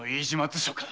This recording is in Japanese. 図書か？